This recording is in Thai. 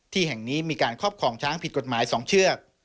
ที่แห่งนี้มีการครอบครองช้างผิดกฎหมาย๒เชือก